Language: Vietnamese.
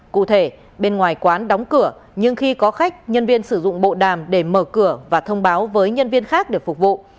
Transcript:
cụ thể bên ngoài quán đóng cửa nhưng khi có khách nhân viên sử dụng bộ đàm để mở cửa và thông báo với nhân viên khác để phục vụ